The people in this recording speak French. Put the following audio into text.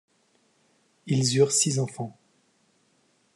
Ils eurent six enfants.